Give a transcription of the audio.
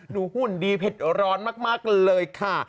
หุ่นดีเผ็ดร้อนมากเลยค่ะ